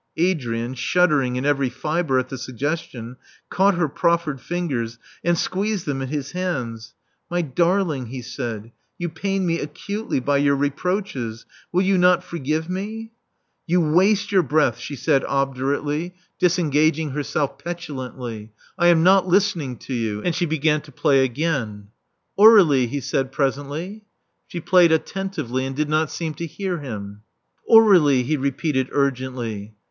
Adrian, shuddering in every fibre at the suggestion, caught her proffered fingers and squeezed them in his hands. My darling," he said: "you pain me acutely by your reproaches. Will you not forgive me?" •*You waste your breath," she said obdurately, dis 376 Love Among the Artists engaging herself petulantly. I am not listening to you. '* And she began to play again. Aur(:*lie/* he said presently. She played attentively, and did not seem to hear him. Aur61ie, he repeated urgently.